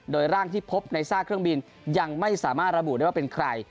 โดยร่างที่พบในซากเครื่องบินยังไม่สามารถระบุได้ว่าเป็นใคร